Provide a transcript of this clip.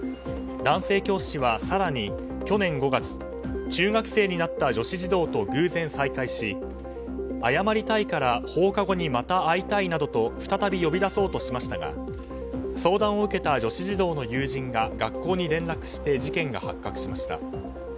男性教師は更に去年５月中学生になった女子児童と偶然、再会し謝りたいから放課後にまた会いたいなどと再び呼び出そうとしましたが相談を受けた女子児童の友人が学校に連絡して事件が発覚しました。